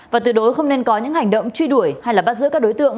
và tuyệt đối không nên có những hành động truy đuổi hay bắt giữ các đối tượng